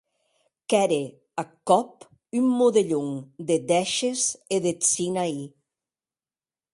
Qu’ère ath còp un modelhon de dèishes e eth Sinaí.